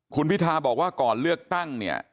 คุณพิทาบอกว่าก่อนเลือกตั้งเนี่ย